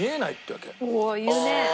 おお言うね。